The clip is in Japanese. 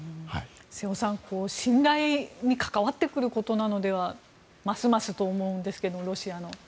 瀬尾さん、信頼に関わってくることなのではとますますと思うんですがロシアの。